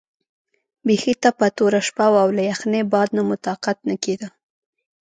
بیخي تپه توره شپه وه او له یخنۍ باد نه مو طاقت نه کېده.